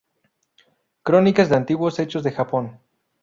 Crónicas de antiguos hechos de Japón.